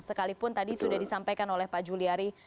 sekalipun tadi sudah disampaikan oleh pak juliari